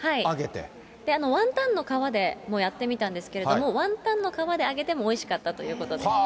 ワンタンの皮でもやってみたんですけども、ワンタンの皮で揚げてもおいしかったということで。